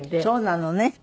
そうなのね。